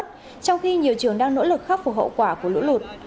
trong khi nhiều trường đang nỗ lực khắc phục hậu quả của lũ lụt